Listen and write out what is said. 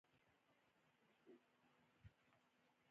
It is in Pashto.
رول يې درلود همدا اوس د فرانسې په ادبي محافلو کې.